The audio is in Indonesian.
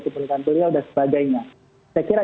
pemerintahan beliau dan sebagainya saya kira